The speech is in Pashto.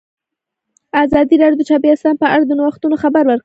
ازادي راډیو د چاپیریال ساتنه په اړه د نوښتونو خبر ورکړی.